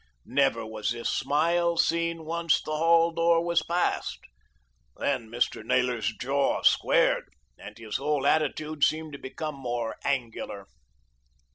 Never was this smile seen once the hall door was passed. Then Mr. Naylor's jaw squared, and his whole attitude seemed to become more angular.